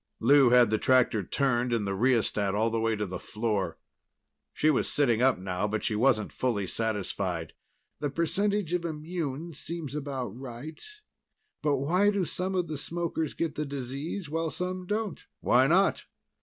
Lou had the tractor turned and the rheostat all the way to the floor. She was sitting up now, but she wasn't fully satisfied. "The percentage of immunes seems about right. But why do some of the smokers get the disease while some don't?" "Why not?